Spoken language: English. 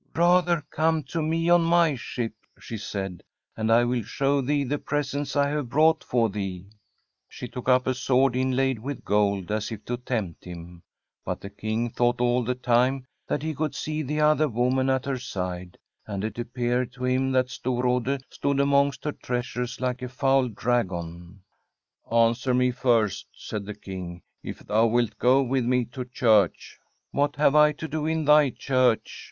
* Rather come to me on my ship/ she said, *and I w*ill show thee the presents I have brought for thee/ She KM>k up a sword inlaid with gold, as if to tempt him; but the King thought all the time that he could see the other woman at her *t\ie, and it appeared to him that Storrade stood antong^t her treasures like a foul dragon. * An.swer me first/ said the King, ' if thou wilt go with me to church/ * What have I to do in thy church